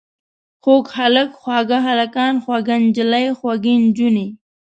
خوږ هلک، خواږه هلکان، خوږه نجلۍ، خوږې نجونې.